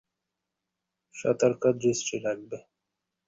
সতর্ক দৃষ্টি রাখবে।